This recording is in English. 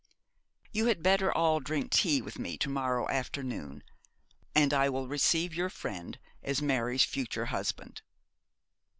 You had better all drink tea with me to morrow afternoon; and I will receive your friend as Mary's future husband.'